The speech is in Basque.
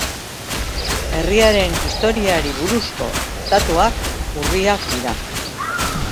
Herriaren historiari buruzko datuak urriak dira.